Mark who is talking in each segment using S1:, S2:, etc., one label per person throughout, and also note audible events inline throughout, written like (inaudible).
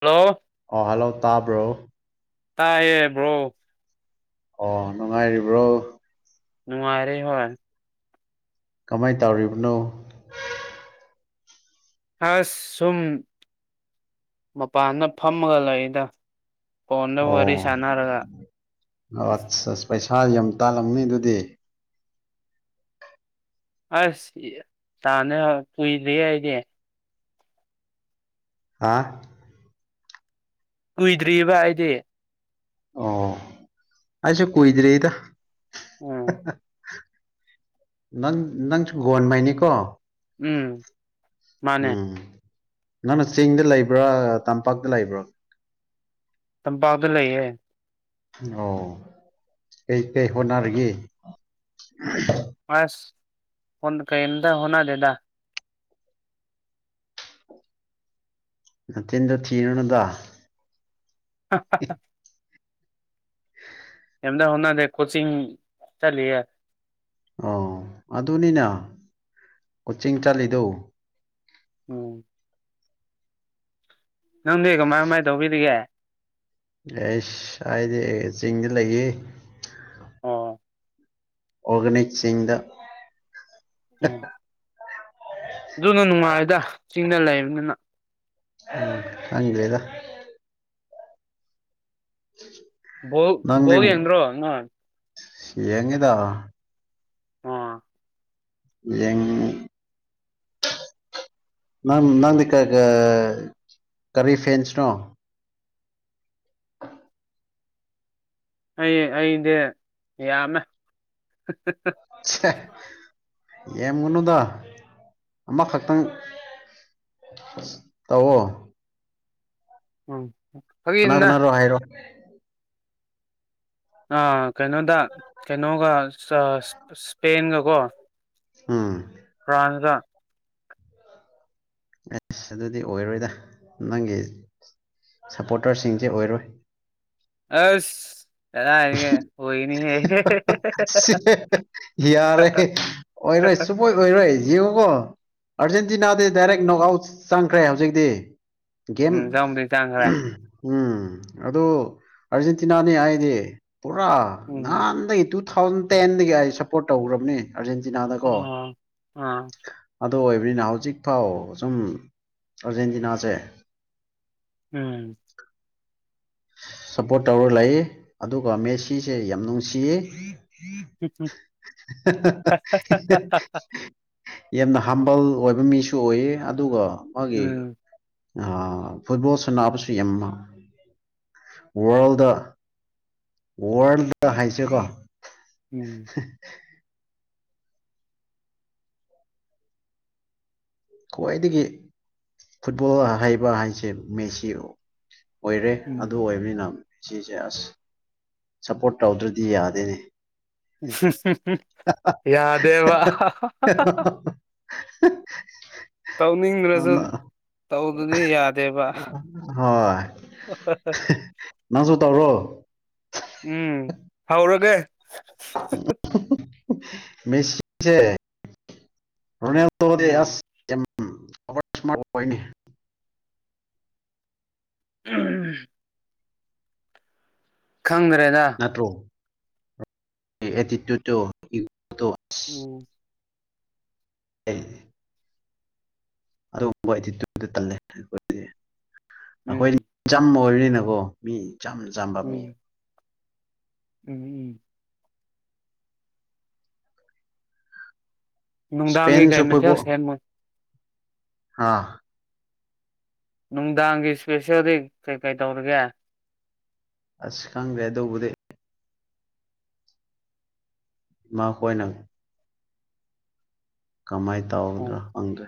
S1: hello
S2: ꯑꯣ hello ꯇꯥꯕ꯭ꯔꯣ
S1: ꯇꯥꯏꯌꯦꯕ꯭ꯔꯣ
S2: ꯑꯣ ꯅꯨꯡꯉꯥꯏꯔꯤꯕ꯭ꯔꯣ
S1: ꯅꯨꯡꯉꯔꯔꯤꯦ ꯍꯣꯏ
S2: ꯀꯃꯥꯏꯅ ꯇꯧꯔꯤꯕꯅꯣ
S1: ꯑꯁ ꯁꯨꯝ ꯃꯄꯥꯟꯗ ꯐꯝꯃꯒ ꯂꯩꯗ ꯐꯟꯗ ꯃꯔꯤ
S2: ꯑꯣ
S1: ꯁꯅꯔꯒ
S2: ꯁꯥ ꯌꯥꯝ ꯇꯥꯜꯂꯝꯅꯤ ꯑꯗꯨꯗꯤ
S1: ꯑꯁ ꯇꯥꯅꯦ ꯀꯨꯏꯗ꯭ꯔꯤ ꯑꯩꯗꯤ
S2: ꯍꯥ
S1: ꯀꯨꯏꯗ꯭ꯔꯤꯕꯔꯤꯕ ꯍꯥꯏꯗꯤ
S2: ꯑꯣ ꯑꯁꯨꯦ ꯀꯣꯏꯗ ꯔꯦꯗ
S1: ꯎꯝ
S2: ꯅꯪ ꯅꯪꯁꯨ ꯒꯟ ꯃꯥꯏꯅꯤ ꯀꯣ
S1: ꯎꯝ ꯃꯥꯅꯦ
S2: ꯎꯝ ꯅꯪꯅ ꯆꯤꯡꯗ ꯂꯩꯕ꯭ꯔꯥ ꯇꯝꯄꯥꯛꯇ ꯂꯩꯕ꯭ꯔꯥ
S1: ꯇꯝꯄꯥꯛꯗꯨ ꯂꯩꯌꯦꯦ
S2: ꯑꯣ ꯀꯩ ꯀꯩ ꯍꯅꯒ
S1: ꯑꯁ ꯀꯩꯦꯟꯗ ꯍꯅꯥ ꯗꯦꯗꯥ
S2: ꯅꯠꯇꯗ ꯊꯤꯔꯅꯗ
S1: ꯑ
S2: ꯎ
S1: ꯀ ꯑꯣꯅꯥꯗ ꯀꯣꯆꯤꯡ ꯆꯂꯤ
S2: ꯑ ꯑꯗꯨꯅꯤꯅ ꯀꯣꯆꯤꯡ ꯆꯠꯂꯤꯗꯨꯣ
S1: ꯎꯝ ꯅꯪꯗꯤ ꯀꯃꯥꯏ ꯀꯃꯥꯏꯅ ꯇꯧꯕꯤꯔꯤꯒꯦ
S2: ꯑꯦꯁ ꯍꯥꯏꯗꯤ ꯆꯤꯡꯗꯤ ꯂꯩꯌꯦ
S1: ꯑꯣ
S2: ꯑꯣꯒꯅꯤꯁꯤꯡꯗ
S1: ꯎꯝ ꯑꯗꯨꯅ ꯅꯨꯡꯉꯥꯏꯗ ꯆꯤꯡꯅ ꯂꯩꯕꯅꯤꯅ
S2: ꯎ ꯍ ꯂꯤꯦꯗ
S1: ꯣ ꯣꯒꯤ ꯌꯦꯟꯣ ꯍꯉ
S2: ꯌꯦꯉꯗꯣ
S1: ꯑꯣ
S2: ꯌꯦꯡ ꯅꯪ ꯅꯪ ꯀ ꯀꯔꯤ ꯐꯟꯁꯅꯣ
S1: ꯑꯩ ꯑꯩꯗꯤ ꯌꯥꯝꯃꯦ
S2: ꯌꯦꯒꯅꯨꯗ ꯑꯃꯈꯛꯇꯪ ꯇꯣ
S1: ꯎꯝ
S2: ꯀꯅꯥ
S1: ꯐꯒꯤꯅ
S2: ꯀꯅꯥ ꯔꯣ ꯍꯥꯏꯔꯣ
S1: ꯑꯥ ꯀꯩꯅꯣꯗ ꯀꯩꯅꯣꯒ ꯏꯁꯄꯦꯟꯒꯀꯣ
S2: ꯑꯥ
S1: ꯐ꯭ꯔꯥꯟꯖꯥ
S2: ꯑꯁ ꯑꯗꯨꯗꯤ ꯑꯣꯏꯔꯣꯏꯗ ꯅꯪꯒꯤ ꯁꯞꯄꯣꯔꯇꯔꯁꯤꯡꯁꯦ ꯑꯣꯏꯔꯣꯏ
S1: ꯑꯁ ꯆꯂ ꯍꯥꯏꯒꯦ ꯑꯣꯏꯣꯏꯅꯤ
S2: ꯌꯥꯔꯦ ꯑꯣꯏꯔꯣꯏ ꯆꯨꯄꯣꯏ ꯑꯣꯏꯔꯣꯏ ꯌꯦꯖꯤꯡꯉꯨ ꯀꯣ ꯑꯥꯔꯖꯦꯟꯇꯤꯅꯥꯗꯤ ꯗꯥꯏꯔꯦꯛ ꯅꯣꯛ ꯑꯥꯎꯠ ꯆꯪꯈ꯭ꯔꯦ ꯍꯧꯖꯤꯛꯇꯤ ꯦꯦꯝ
S1: ꯎꯝ ꯆꯪꯕꯨꯗꯤ ꯆꯪꯈ꯭ꯔꯦ
S2: ꯎꯝ ꯑꯗꯨ ꯑꯥꯔꯖꯦꯟꯇꯤꯅꯥꯅꯤ ꯍꯥꯏꯗꯤ ꯄꯨꯔꯥ
S1: ꯎꯝ
S2: ꯅꯍꯥꯟꯗꯒꯤ ꯇꯨ ꯇꯨ ꯊꯥꯎꯖꯟ ꯇꯦꯟꯗꯒꯤ ꯑꯩ ꯁꯞꯄꯣꯔꯠ ꯇꯧꯈ꯭ꯔꯕꯅꯤ ꯑꯥꯔꯖꯦꯟꯇꯤꯅꯥꯗꯀꯣ
S1: ꯑꯣ ꯑꯥ
S2: ꯑꯗꯨ ꯑꯣꯏꯕꯅꯤꯅ ꯍꯧꯖꯤꯛꯐꯥꯎ ꯑ ꯁꯨꯝ ꯑꯥꯔꯖꯦꯟꯇꯤꯅꯥꯁꯦ
S1: ꯎꯝ
S2: ꯁꯞꯄꯣꯔꯠ ꯇꯧꯔ ꯂꯩ ꯑꯗꯨꯒ ꯃꯦꯁꯤꯁꯦ ꯌꯥꯝ ꯅꯨꯡꯁꯤꯌꯦ ꯎꯝ ꯌꯥꯝꯅ ꯍꯥꯝꯕꯜ ꯑꯣꯏꯕ ꯃꯤꯁꯨ ꯑꯣꯏꯌꯦ ꯑꯗꯨꯒ ꯃꯥꯒꯤ
S1: ꯎꯝ
S2: ꯑ ꯐꯨꯠꯕꯣꯜ ꯁ ꯅꯥꯕꯁꯨ ꯌꯥꯝꯃ ꯋꯥꯔꯜꯗ ꯋꯥꯔꯜꯗ ꯍꯥꯏꯁꯦꯀꯣ
S1: ꯎꯝ
S2: ꯈ꯭ꯋꯥꯏꯗꯒꯤ ꯐꯨꯠꯕꯣꯜ ꯍꯩꯕ ꯍꯥꯏꯁꯦ ꯃꯦꯁꯤ ꯑꯣꯏꯔꯦ ꯑꯗꯨ
S1: ꯎꯝ
S2: ꯑꯣꯏꯕꯅꯤꯅ ꯁꯤꯁꯦ ꯑꯁ ꯁꯞꯄꯣꯔꯠ ꯇꯧꯗ꯭ꯔꯗꯤ ꯌꯥꯗꯦꯅꯦ
S1: ꯌꯥꯗꯦꯕ ꯇꯧꯅꯤꯡꯗ꯭ꯔꯁꯨ ꯇꯧꯗꯗꯤ ꯌꯥꯗꯦꯕ
S2: ꯍꯣꯏ ꯅꯪꯁꯨ ꯇ
S1: ꯎꯝ ꯍꯥꯎꯔꯒꯦ
S2: ꯃꯁꯤꯁ
S1: ꯎꯝ
S2: ꯎꯝ ꯑꯋꯥꯔꯁꯃ ꯑꯣꯏꯅꯤ
S1: ꯎꯝ ꯈꯪꯗ꯭ꯔꯦꯗ
S2: (unintelligible)
S1: ꯎꯝ
S2: ꯎ ꯑꯗꯨꯒꯕꯂꯦ
S1: ꯎꯝ
S2: ꯑꯩꯈꯣꯏꯆꯝ ꯑꯣꯏꯔꯤ ꯅꯉꯣ ꯃꯤ ꯆ ꯆꯕ
S1: ꯎꯝ ꯎꯝ ꯎꯝ ꯅꯨꯡꯗꯥꯡꯒꯤꯩ
S2: ꯏꯁꯄꯦꯟꯁꯨ
S1: ꯀꯩ ꯃꯊꯦꯜ
S2: ꯐꯨꯠꯕꯣꯜ
S1: ꯁꯦꯝꯃꯣꯏ
S2: ꯑꯥ
S1: ꯅꯨꯡꯗꯥꯡꯒꯤ ꯏꯁꯄꯦꯁꯤꯜꯂꯤ ꯀꯩꯀꯩ ꯇꯧꯔꯒꯦ
S2: ꯑꯁ ꯈꯪꯒꯦꯗꯧꯕꯗꯩ ꯃꯥ ꯍꯣꯏ ꯅꯪ ꯀꯃꯥꯏꯅ
S1: ꯑꯣ
S2: ꯇꯧꯗ꯭ꯔꯣ ꯍꯪꯗ꯭ꯔꯦ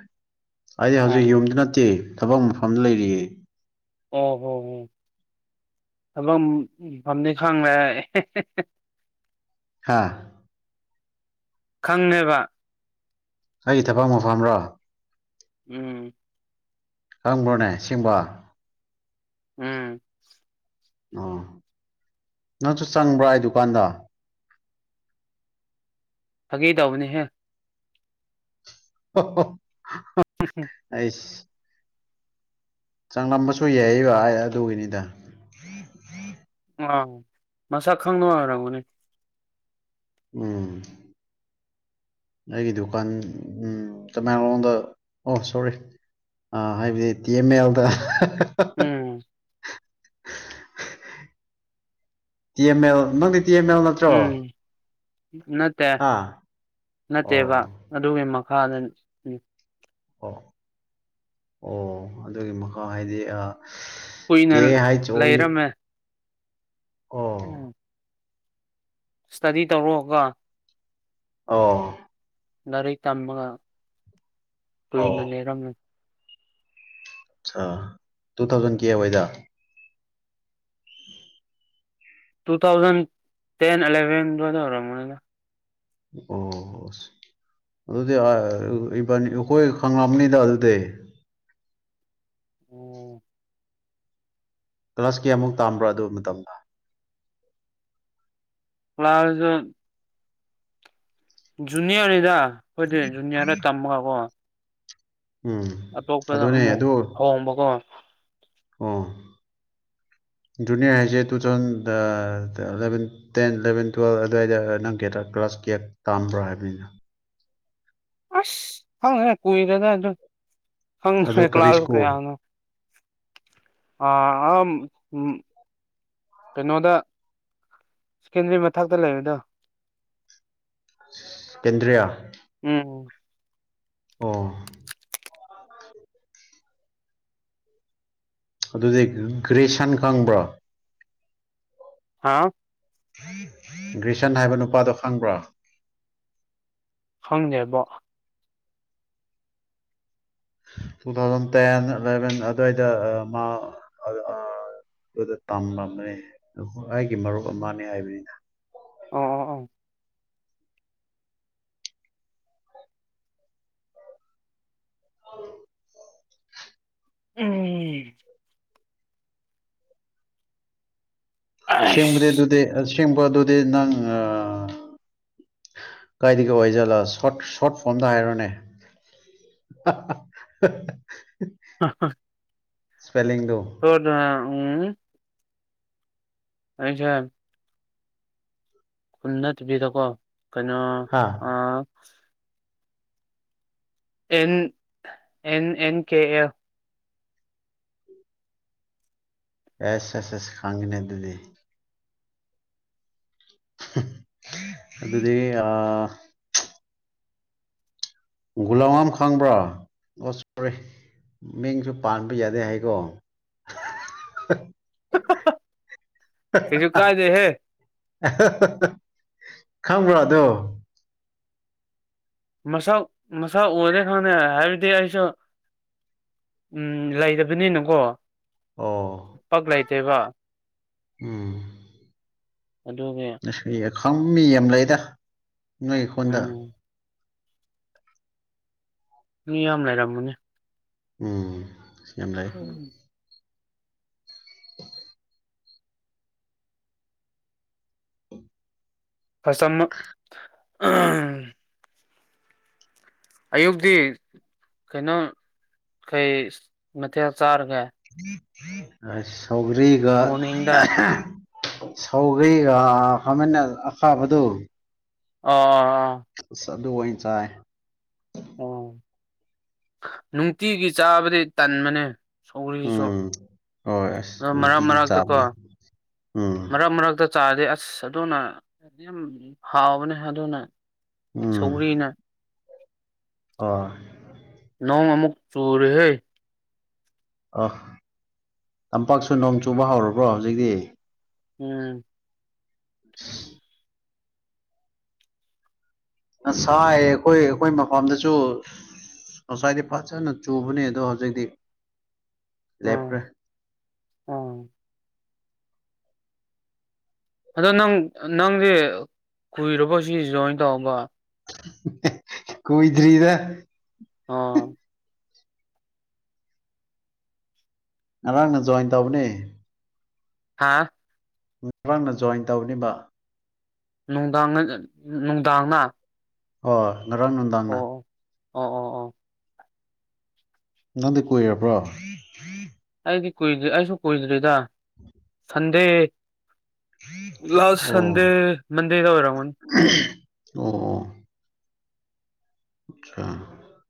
S2: ꯑꯩꯗꯤ ꯍꯧꯖꯤꯛ
S1: ꯑꯥ
S2: ꯌꯨꯝꯗꯨ ꯅꯠꯇꯦ ꯊꯕꯛ ꯃꯐꯝꯗ ꯂꯩꯔꯤꯌꯦ
S1: ꯑꯣ ꯍꯣ ꯍ ꯍꯂꯣ ꯃꯝꯅꯤ ꯈꯥꯡꯅ
S2: ꯋꯥ
S1: ꯈꯪꯕ
S2: ꯑꯩ ꯊꯕꯛ ꯃꯐꯝꯔꯣ
S1: ꯎꯝ
S2: ꯈꯪꯕ꯭ꯔꯣꯅꯦ ꯁꯤꯁꯤꯡꯕ
S1: ꯎꯝ
S2: ꯑ ꯅꯪꯁꯨ ꯆꯪꯕ꯭ꯔꯥ ꯑꯩ ꯗꯨꯀꯥꯟꯗ
S1: ꯐꯥꯒꯦ ꯇꯧꯕꯅꯦꯍꯦ
S2: ꯑꯣ ꯑꯁ ꯆꯪꯂꯝꯕꯁꯨ ꯌꯥꯏꯕ ꯑꯗꯨꯒꯤꯅꯤꯗ
S1: ꯑꯥ ꯃꯁꯛ ꯈꯪꯅ ꯑꯣꯏꯔꯝꯒꯅꯦ
S2: ꯎꯝ ꯑꯩꯒꯤ ꯗꯨꯀꯥꯟ ꯎꯝ ꯇꯃꯦꯡꯂꯣꯡꯗ ꯑꯣ ꯁꯣꯔꯤ ꯑ ꯍꯥꯏꯕꯗꯤ ꯇꯤ ꯑꯦꯝ ꯑꯦꯜꯗ
S1: ꯎꯝ
S2: ꯇꯤ ꯑꯦꯝ ꯑꯦꯜ ꯅꯪꯗꯤ ꯇꯤ ꯑꯦꯝ ꯑꯦꯜ ꯅꯠꯇ꯭ꯔꯣ
S1: ꯎꯝ ꯅꯠꯇꯦ
S2: ꯍꯥ ꯑꯣ
S1: ꯅꯠꯇꯦꯕ ꯑꯗꯨꯒꯤ ꯃꯈꯥꯗ
S2: ꯑꯣ ꯑꯣ ꯑꯗꯨꯒꯤ ꯃꯈꯥ ꯍꯥꯏꯗꯤ
S1: ꯀꯨꯏꯅ
S2: ꯀꯦ ꯍꯥꯏ ꯆ ꯑꯣ
S1: ꯂꯩꯔꯝꯃꯦ
S2: ꯑꯣ
S1: ꯎꯝ ꯏꯁꯇꯗꯤ ꯇꯧꯔꯛꯑꯒ
S2: ꯑꯣ
S1: ꯂꯥꯏꯔꯤꯛ ꯇꯝꯃꯒ
S2: ꯑꯣ
S1: ꯀꯨꯣꯏꯏꯅ ꯂꯩꯔꯝꯃꯤꯅꯤ
S2: ꯑ ꯇꯨ ꯊꯥꯎꯖꯟ ꯀꯕꯣꯏꯗ
S1: ꯇꯨ ꯊꯥꯎꯖꯟ ꯇꯦꯟ ꯑꯦꯂꯦꯚꯦꯟꯗꯗ ꯑꯣꯏꯔ ꯃꯗ
S2: ꯑꯣ ꯑꯗꯨꯗꯤ ꯏꯕꯅꯤ ꯑꯩꯈꯣꯏ ꯈꯪꯝꯅꯤꯗ ꯑꯗꯨꯗ
S1: ꯎꯝ
S2: ꯀ꯭ꯂꯥꯁ ꯀꯌꯥꯃꯨꯛ ꯇꯥꯝꯕ꯭ꯔꯥ ꯑꯗꯨ ꯃꯇꯝꯗ
S1: ꯐ꯭ꯂꯥꯎꯖꯣ ꯖꯨꯅꯤꯌꯔꯅꯤꯗ ꯑꯩꯈꯣꯏꯗꯤ ꯖꯨꯅꯤꯌꯥꯔꯗ ꯇꯝꯃꯒꯀꯣ
S2: ꯎꯝ
S1: ꯑꯇꯣꯞꯄꯗ
S2: ꯑꯗꯨꯅꯦ
S1: ꯑꯃꯨꯛ ꯍꯣꯡꯕꯀꯣ
S2: ꯑ
S1: (unintelligible)
S2: ꯖꯨꯅꯤꯌꯔ ꯍꯥꯏꯁꯦ two thousand ten eleven twelve ꯑꯗꯨꯋꯥꯏꯗ ꯅꯪ ꯀ ꯇꯥꯝꯕ꯭ꯔꯥ ꯍꯥꯏꯕꯅꯤꯅ
S1: ꯑꯁ ꯈꯪꯗ꯭ꯔꯦ ꯀꯨꯏꯔꯦꯗ ꯑꯗꯨ
S2: ꯑꯗꯨ
S1: ꯈꯪꯗ꯭ꯔꯦ
S2: ꯀꯔꯤ
S1: ꯀ꯭ꯂꯥꯁꯁꯨ
S2: ꯁ꯭ꯀꯨꯜ
S1: ꯀꯌꯥꯅꯣ ꯑ ꯑ ꯎ ꯀꯩꯅꯣꯗ ꯁꯀꯦꯟꯗꯔꯤ ꯃꯊꯛꯇ ꯂꯩꯔꯦꯗ
S2: ꯀꯦꯟꯗ꯭ꯔꯌꯥ
S1: ꯎꯝ
S2: ꯑꯣ ꯑꯗꯨꯗꯤ ꯒ꯭ꯔꯦꯁꯟ ꯈꯪꯕ꯭ꯔꯣ
S1: ꯍꯥꯥ
S2: ꯒ꯭ꯔꯤꯁꯟ ꯍꯥꯏꯕ ꯅꯨꯄꯥꯗꯣ ꯈꯪꯕ꯭ꯔꯥ
S1: ꯈꯪꯖꯦꯕꯣ
S2: ꯇꯨ ꯊꯥꯎꯖꯟ ꯇꯦꯟ ꯏꯂꯚꯦꯟ ꯑꯗꯨꯋꯥꯏꯗ ꯃꯥ ꯑꯗꯨꯗ ꯇꯝꯂꯝꯕꯅꯦ ꯑꯩꯒꯤ ꯃꯔꯨꯞ ꯑꯃꯅꯦ ꯍꯥꯏꯕꯅꯤꯅ
S1: ꯑꯣ ꯑꯣ ꯑꯣ
S2: ꯑ
S1: ꯎꯝ ꯑꯁ
S2: ꯁꯤꯕꯗꯦꯗꯨꯗꯦ ꯁꯤꯕꯗꯨꯗ ꯅꯪ ꯑ ꯀꯥꯏꯗꯒꯤ ꯀꯩ ꯋꯥꯏꯖꯠꯂ ꯁꯣꯔꯠ ꯐꯣꯝꯗ ꯍꯥꯏꯔꯣꯅꯦ (unintelligible)
S1: ꯑ
S2: ꯏꯁꯄꯦꯂꯤꯡꯗꯨ
S1: ꯊꯣꯗ ꯎꯝ ꯑꯖ ꯑꯥ ꯅꯠꯇꯕꯤꯗꯀꯣ ꯀꯩꯅꯣ
S2: ꯍꯥ
S1: ꯑ N N N K F
S2: S S S ꯈꯥꯡꯒꯤꯅꯦ ꯑꯗꯨꯗꯤ ꯑꯗꯨꯗꯤ ꯑ ꯒꯨꯂꯃꯝ ꯈꯥꯡꯕ꯭ꯔꯥ ꯃꯤꯡꯁꯨ ꯄꯥꯟꯕ ꯌꯥꯗꯦ ꯍꯥꯏꯀꯣ
S1: ꯀꯩꯁꯨ ꯀꯥꯏꯗꯦꯍꯦ
S2: (unintelligible) ꯈꯪꯕ꯭ꯔꯥꯗꯣ
S1: ꯃꯁꯥ ꯃꯁꯥ ꯑꯣꯏꯔꯦ ꯈꯪꯅ ꯍꯥꯏꯕꯗꯤ ꯑꯩꯁꯨ ꯎꯝ ꯂꯩꯗꯕꯅꯤꯅꯀꯣ
S2: ꯑꯣ
S1: ꯄꯛ ꯂꯩꯇꯦꯕ
S2: ꯎꯝ
S1: ꯑꯗꯨꯉꯤ
S2: ꯈꯪ ꯃꯤ ꯌꯥꯝ ꯂꯩꯗ ꯅꯣꯏ ꯏꯈꯣꯟꯗ
S1: ꯎꯝ ꯃꯤ ꯌꯥꯝ ꯂꯩꯔꯝꯃꯨꯅꯦ
S2: ꯎꯝ ꯌꯥꯝ ꯂꯥꯏ
S1: ꯐꯁꯝ ꯃꯛ ꯑꯍꯝ ꯑꯌꯨꯛꯇꯤ ꯀꯩꯅꯣ ꯀꯩ ꯃꯊꯦꯜ ꯆꯥꯔ
S2: ꯑꯁ ꯁꯧꯒꯔꯤꯒ
S1: ꯃꯣꯔꯅꯤꯡꯗ
S2: ꯁꯧꯒꯔ꯭ꯤꯒ ꯑꯥ ꯈꯥꯃꯦꯟ ꯑ ꯆꯥꯕꯗꯨ
S1: ꯑ
S2: ꯁ ꯑꯗꯨ ꯑꯣꯏ ꯆꯥꯏ
S1: ꯑꯣ ꯅꯨꯡꯇꯤꯒꯤ ꯆꯥꯕꯗꯤ ꯇꯟꯕꯅꯦ ꯁꯧꯔꯤꯁꯨ
S2: ꯎꯝ ꯍꯣꯏ ꯑꯁ
S1: ꯑꯗꯣ ꯃꯔꯛ
S2: ꯅꯨꯡꯇꯤꯗꯤ
S1: ꯃꯔꯥꯛꯛꯇꯀꯣ
S2: ꯆꯥꯕꯅꯦ ꯎꯝ
S1: ꯃꯔꯛ ꯃꯔꯛꯇ ꯆꯥꯗꯤ ꯑꯁ ꯑꯗꯨꯅ ꯌꯝ ꯍꯥꯎꯕꯅꯦ ꯑꯗꯨꯅ ꯁꯧꯒꯔ꯭ꯤꯅ
S2: ꯑ
S1: ꯅꯣꯡ ꯑꯃꯨꯛ ꯆꯨꯔꯍꯦ
S2: ꯑ ꯇꯝꯄꯥꯛꯁꯨ ꯅꯣꯡ ꯆꯨꯕ ꯍꯧꯔꯕ꯭ꯔꯣ ꯍꯧꯖꯤꯛꯇꯤ
S1: ꯎꯝ
S2: (inaudible) ꯑꯁꯥꯏ ꯑꯩꯈꯣꯏ ꯑꯩꯈꯣꯏ ꯃꯐꯝꯗꯁꯨ ꯉꯁꯥꯏꯗꯤ ꯐꯖꯅ ꯆꯨꯕꯅꯤ ꯑꯗꯣ ꯍꯧꯖꯤꯛꯇꯤ
S1: ꯎꯝ
S2: ꯂꯦꯞꯈꯔ꯭ꯦ
S1: ꯎꯝ ꯑꯗꯣ ꯅꯪ ꯅꯪꯗꯤ ꯀꯨꯏꯔꯕ ꯁꯤ ꯖꯣꯏꯟ ꯇꯧꯕ
S2: ꯀꯣꯏꯗꯔ꯭ꯤꯗ
S1: ꯑ
S2: ꯉꯔꯥꯡꯅ ꯖꯣꯏꯟ ꯇꯧꯕꯅꯦ
S1: ꯍꯥꯥ
S2: ꯉꯔꯥꯡꯅ ꯖꯣꯏꯟ ꯇꯧꯅꯤꯕ
S1: ꯅꯨꯡꯗꯥꯡ ꯉꯠ ꯅꯨꯡꯗꯥꯡꯅ
S2: ꯍꯣ ꯉꯔꯥꯡ ꯅꯨꯡꯗꯥꯡꯅ
S1: ꯑꯣ ꯑꯣ ꯑꯣ ꯑꯣ
S2: ꯅꯪꯗꯤ ꯀꯣꯏꯔꯕ꯭ꯔꯣ
S1: ꯑꯩꯗꯤ ꯀꯨꯏꯗ꯭ꯦ ꯑꯩꯁꯨ ꯀꯨꯏꯗ꯭ꯔꯤꯗ ꯍꯟꯗꯦ ꯂꯥꯁ
S2: ꯑꯣ
S1: ꯁꯟꯗꯦ ꯃꯟꯗꯦꯗ ꯑꯣꯏꯔꯝꯃꯅꯤ (inaudible)
S2: ꯑꯣ ꯑ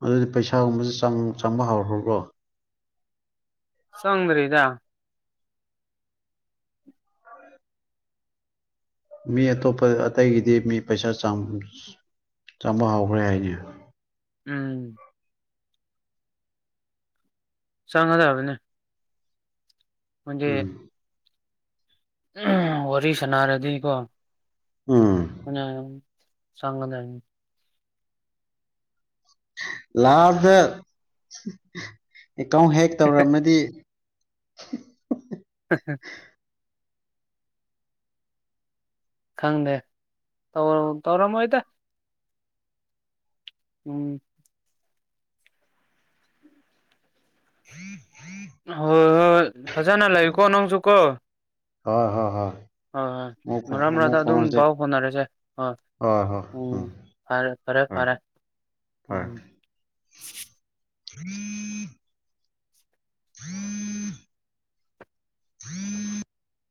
S2: ꯑꯗꯨꯗꯤ ꯄꯩꯁꯥꯒꯨꯝꯕꯁꯦ ꯆꯪ ꯆꯪꯕ ꯍꯧꯥꯎꯈ꯭ꯔꯕ꯭ꯔꯣ
S1: ꯆꯪꯗꯔꯤꯗ
S2: ꯃꯤ ꯑꯇꯣꯞ ꯑꯇꯩꯒꯤꯗꯤ ꯃꯤ ꯄꯩꯁꯥ ꯆꯥꯡ ꯆꯃ ꯍꯧꯒꯔ꯭ꯦ ꯍꯥꯏꯅꯦ
S1: ꯎꯝ ꯆꯪꯉꯗꯕꯅꯦ ꯍꯣꯟꯒꯦ
S2: ꯎꯝ
S1: ꯎꯝ ꯋꯥꯔꯤ ꯁꯥꯅꯔꯗꯤꯀꯣ
S2: ꯎꯝ
S1: ꯆꯥꯡꯒꯗ
S2: ꯂꯥꯁꯇ ꯑꯦꯀꯥꯎꯟ ꯍꯦꯛ ꯇꯧꯔꯝꯃꯗꯤ
S1: (inaudible) ꯈꯪꯗꯦ ꯇꯧ ꯇꯧꯔꯝꯃꯣꯢꯗ ꯎꯝ
S2: (inaudible)
S1: ꯍꯣꯏ ꯍꯣꯏ ꯐꯖꯅ ꯂꯩꯀꯣ ꯅꯪꯁꯨꯀꯣ
S2: ꯍꯣꯏ ꯍꯣꯏ ꯍꯣꯏ
S1: ꯍꯣꯏ ꯍꯣꯏ
S2: ꯑꯃꯨꯛ ꯐꯥꯎ-
S1: ꯃꯔꯛ
S2: ꯑꯃꯨꯛ
S1: ꯃꯔꯗ ꯑꯗꯨꯝ
S2: ꯐꯥꯎꯅꯁꯦ
S1: ꯄꯥꯎ ꯐꯥꯎꯅꯔꯁꯦ ꯑꯣꯏ
S2: ꯍꯣꯏ ꯍꯣꯏ
S1: ꯎꯝ ꯐꯔꯦ ꯐꯔꯦ
S2: ꯍꯣꯏ
S1: ꯐꯔꯦ
S2: ꯍꯣꯏ
S1: ꯎꯝ
S2: (inaudible) (inaudible) (inaudible)